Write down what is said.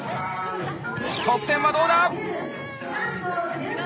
得点はどうだ。